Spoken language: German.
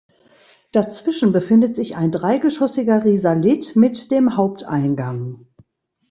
Dazwischen befindet sich ein dreigeschossiger Risalit mit dem Haupteingang.